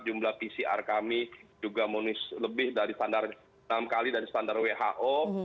jumlah pcr kami juga munis lebih dari standar enam kali dari standar who